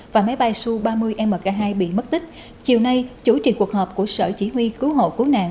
và máy bay su ba mươi mk hai bị mất tích chiều nay chủ trì cuộc họp của sở chỉ huy cứu hộ cứu nạn